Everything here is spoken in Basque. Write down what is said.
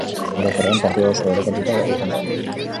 Orokorrean, partida oso orekatuta egon da.